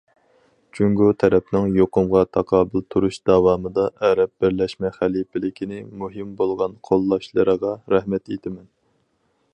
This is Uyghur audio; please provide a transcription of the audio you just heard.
جۇڭگو تەرەپنىڭ يۇقۇمغا تاقابىل تۇرۇش داۋامىدا ئەرەب بىرلەشمە خەلىپىلىكىنى مۇھىم بولغان قوللاشلىرىغا رەھمەت ئېيتىمەن.